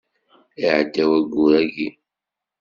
Iɛedda wayyur yagi.